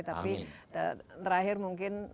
tapi terakhir mungkin